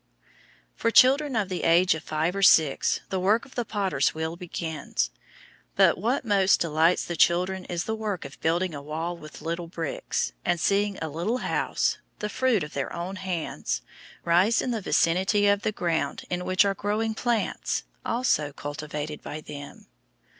For children of the age of five or six, the work of the potter's wheel begins. But what most delights the children is the work of building a wall with little bricks, and seeing a little house, the fruit of their own hands, rise in the vicinity of the ground in which are growing plants, also cultivated by them.